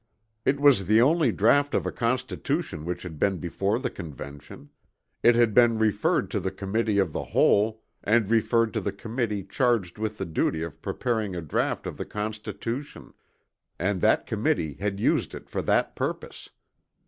It was the only draught of a constitution which had been before the Convention; it had been referred to the Committee of the Whole and referred to the committee charged with the duty of preparing a draught of the Constitution; and that committee had used it for that purpose.